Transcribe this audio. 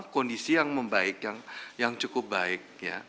kondisi yang membaik yang cukup baik